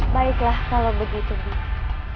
baiklah kalau begitu bibi